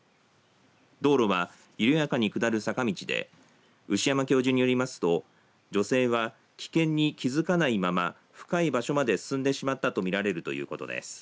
道路は緩やかに下る坂道で牛山教授によりますと女性は危険に気付かないまま深い場所まで進んでしまったと見られるということです。